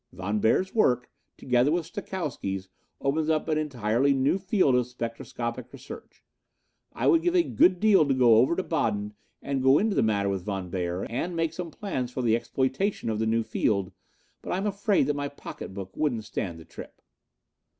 Von Beyer's work, together with Stokowsky's opens up an entirely new field of spectroscopic research. I would give a good deal to go over to Baden and go into the matter with Von Beyer and make some plans for the exploitation of the new field, but I'm afraid that my pocketbook wouldn't stand the trip."